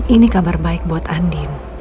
ini kabar baik buat andin